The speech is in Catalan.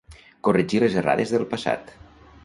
Corregir les errades del passat.